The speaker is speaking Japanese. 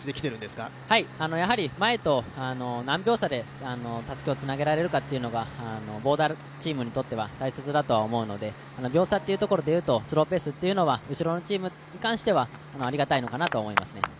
やはり前と何秒差でたすきをつなげられるかというのがボーダーチームにとっては大切だと思うので秒差というところで言うと、スローペースというのは、後ろのチームに関してはありがたいのかなと思いますね。